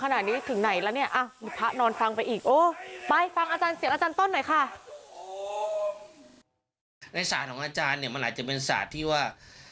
ในศาสตร์ของอาจารย์มันอาจจะเป็นศาสตร์ที่ว่า